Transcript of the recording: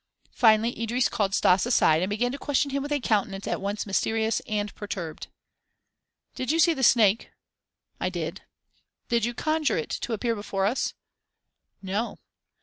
Finally Idris called Stas aside, and began to question him with a countenance at once mysterious and perturbed. "Did you see the snake?" "I did." "Did you conjure it to appear before us?" "No."